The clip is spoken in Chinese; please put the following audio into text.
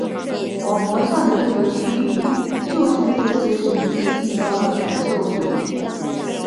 网膜上的这个区域就是这些神经细胞的感受野。